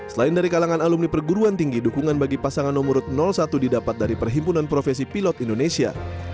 selain dari kalangan alumni perguruan tinggi dukungan bagi pasangan nomor satu didapat dari perhimpunan profesi pilot indonesia